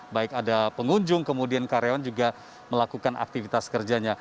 baik ada pengunjung kemudian karyawan juga melakukan aktivitas kerjanya